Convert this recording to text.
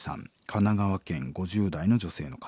神奈川県５０代の女性の方。